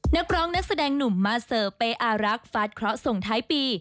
นักร้องนักแสดงหนุ่มมาเซอร์เป้อารักฟาดเคราะห์ส่งท้ายปี